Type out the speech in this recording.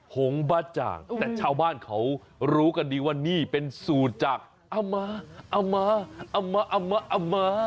หงบ้าจางแต่ชาวบ้านเขารู้กันดีว่านี่เป็นสูตรจากอำมาอำมาอำมาอำมาอำมา